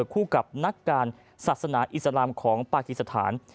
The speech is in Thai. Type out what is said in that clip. คู่กับนักการณ์ศาสนาอิสรามของปฏิษฐาน